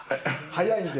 早いんで。